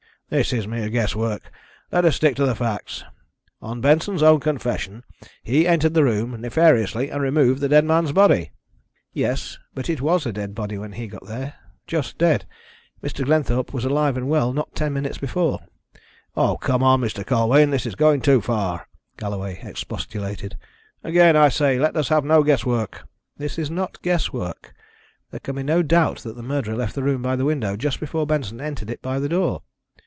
"This is mere guess work. Let us stick to facts. On Benson's own confession he entered the room nefariously and removed the dead man's body." "Yes, but it was a dead body when he got there just dead. Mr. Glenthorpe was alive and well not ten minutes before." "Oh, come, Mr. Colwyn, this is going too far," Galloway expostulated. "Again, I say, let us have no guess work." "This is not guess work. There can be no doubt that the murderer left the room by the window just before Benson entered it by the door."